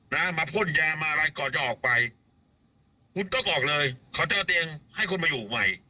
นะมาพ่นยามาอะไรก่อนจะออกไปคุณต้องออกเลยเขาเจอเตียงให้คุณมาอยู่ใหม่